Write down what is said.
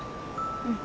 うん。